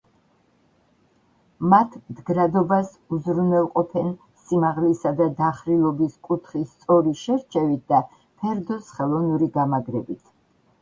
მათ მდგრადობას უზრუნველყოფენ სიმაღლისა და დახრილობის კუთხის სწორი შერჩევით და ფერდოს ხელოვნური გამაგრებით.